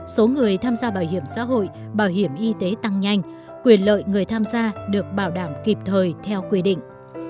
số người tham gia bảo hiểm xã hội bảo hiểm y tế tăng nhanh quyền lợi người tham gia được bảo đảm kịp thời theo quy định